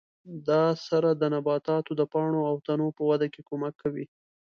دا سره د نباتاتو د پاڼو او تنو په وده کې کومک کوي.